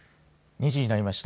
２時になりました。